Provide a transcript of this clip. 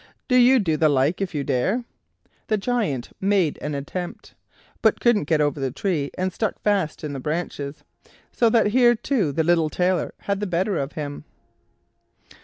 Do you do the like if you dare." The Giant made an attempt, but couldn't get over the tree, and stuck fast in the branches, so that here, too, the little Tailor had the better of him.